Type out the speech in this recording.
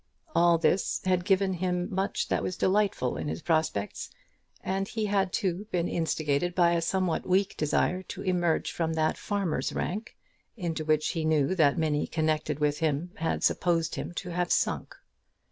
All this had given much that was delightful to his prospects. And he had, too, been instigated by a somewhat weak desire to emerge from that farmer's rank into which he knew that many connected with him had supposed him to have sunk.